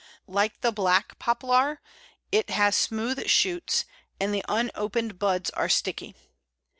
Like the Black Poplar, it has smooth shoots, and the unopened buds are sticky.